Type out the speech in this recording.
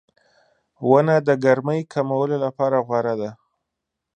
• ونه د ګرمۍ کمولو لپاره غوره ده.